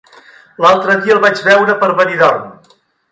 L'altre dia el vaig veure per Benidorm.